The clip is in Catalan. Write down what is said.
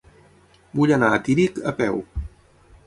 Vull anar a Tírig a peu.